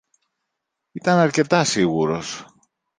ήταν αρκετά σίγουρος